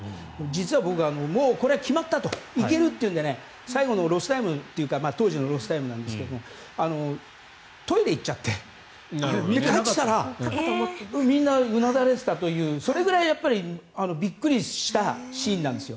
実は僕、もうこれは決まったと行けるというので最後のロスタイムというか当時のロスタイムなんですがトイレに行っちゃって帰ってきたらみんなうなだれていたというそれぐらいびっくりしたシーンなんです。